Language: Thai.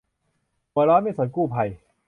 หัวร้อนไม่สนกู้ภัย